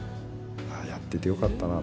「ああやっててよかったな。